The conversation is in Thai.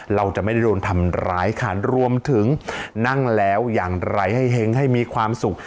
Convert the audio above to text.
เราจะไม่ได้โดนทำร้ายค่ะรวมถึงนั่งแล้วอย่างไรให้เห็งให้มีความสุข